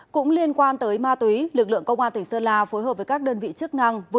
cũng liên quan tới ma túy lực lượng công an tỉnh sơn la phối hợp với các đơn vị chức năng